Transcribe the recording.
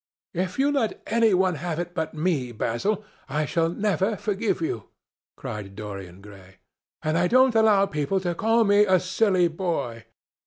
"If you let any one have it but me, Basil, I shall never forgive you!" cried Dorian Gray; "and I don't allow people to call me a silly boy."